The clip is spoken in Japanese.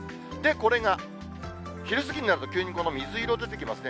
これが昼過ぎになると、急にこの水色出てきますね。